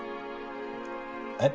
えっ？